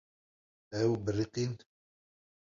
Ew biriqîn.